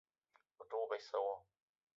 O te ouok issa wo?